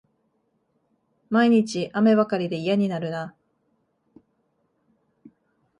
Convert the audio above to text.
毎日、雨ばかりで嫌になるな